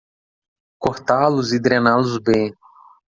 Cortá-los e drená-los bem.